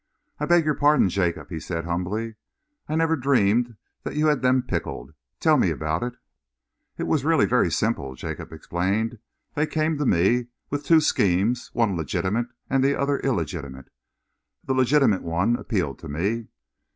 "I beg your pardon, Jacob," he said humbly. "I never dreamed that you had them pickled. Tell me about it?" "It was really very simple," Jacob explained. "They came to me with two schemes, one legitimate, the other illegitimate. The legitimate one appealed to me.